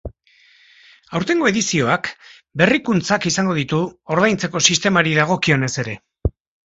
Aurtengo edizioak berrikuntzak izango ditu ordaintzeko sistemari dagokionez ere.